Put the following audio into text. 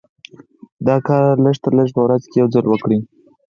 دا کار لږ تر لږه په ورځ کې يو ځل وکړئ.